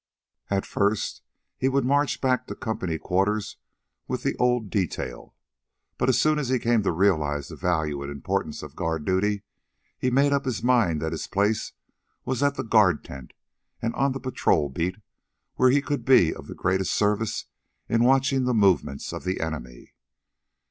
At first, he would march back to company quarters with the old detail, but, as soon as he came to realize the value and importance of guard duty, he made up his mind that his place was at the guard tent and on the patrol beat, where he could be of the greatest service in watching the movements of the enemy.